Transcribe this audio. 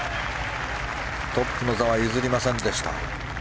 トップの座は譲りませんでした。